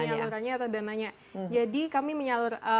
penyalurannya atau dananya jadi kami menyalur